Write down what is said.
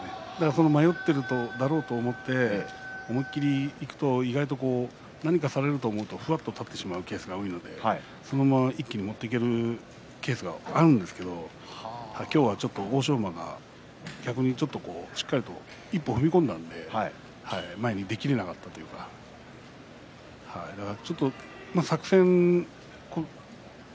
迷っているんだろうと思って思い切りいくと意外と何かされると思うとふわっと立ってしまうケースが多いので、そのまま一気に持っていけるケースがあるんですけど今日はちょっと欧勝馬が逆に、しっかりと一歩、踏み込んだので前にできることができなかったというか引きがなかったというか。